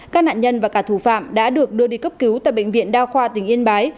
các nạn nhân và cả thủ phạm đã được đưa đi cấp cứu tại bệnh viện đa khoa tỉnh yên bái